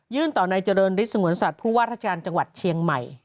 ต่อในเจริญฤทธสงวนสัตว์ผู้ว่าราชการจังหวัดเชียงใหม่